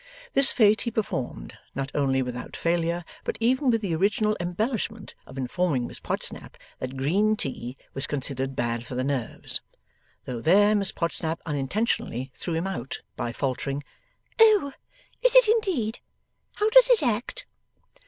This feat he performed, not only without failure, but even with the original embellishment of informing Miss Podsnap that green tea was considered bad for the nerves. Though there Miss Podsnap unintentionally threw him out by faltering, 'Oh, is it indeed? How does it act?